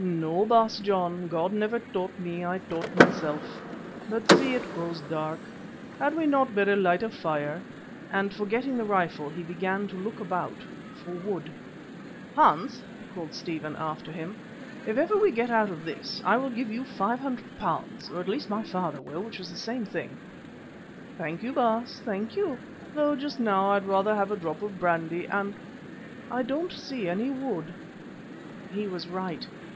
"No, Baas John, God never taught me, I taught myself. But, see, it grows dark. Had we not better light a fire," and forgetting the rifle he began to look about for wood. "Hans," called Stephen after him, "if ever we get out of this, I will give you £500, or at least my father will, which is the same thing." "Thank you, Baas, thank you, though just now I'd rather have a drop of brandy and I don't see any wood." He was right.